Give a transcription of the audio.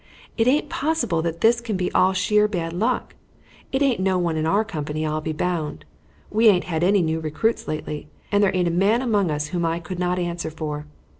"It aint possible that this can be all sheer bad luck. It aint no one in our company, I'll be bound. We aint had any new recruits lately, and there aint a man among us whom I could not answer for.